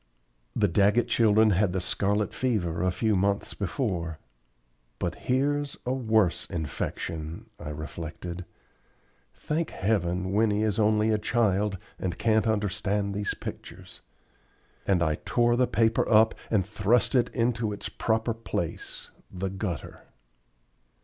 The Daggett children had had the scarlet fever a few months before. "But here's a worse infection," I reflected. "Thank heaven, Winnie is only a child, and can't understand these pictures;" and I tore the paper up and thrust it into its proper place, the gutter.